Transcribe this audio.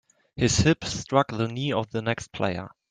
His hip struck the knee of the next player.